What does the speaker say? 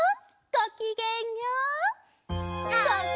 ごきげんよう！